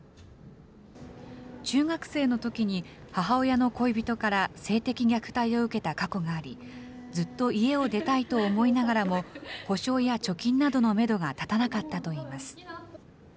中学生のときに母親の恋人から性的虐待を受けた過去があり、ずっと家を出たいと思いながらも、保証や貯金などのメドが立たなかったといいます。